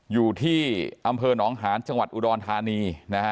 อยู่ที่อำเภอหนองหานจังหวัดอุดรธานีนะฮะ